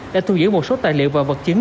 đã thu giữ một số tài liệu và vật chứng